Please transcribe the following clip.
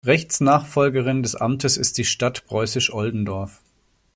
Rechtsnachfolgerin des Amtes ist die Stadt Preußisch Oldendorf.